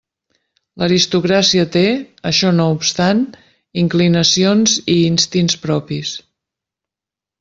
L'aristocràcia té, això no obstant, inclinacions i instints propis.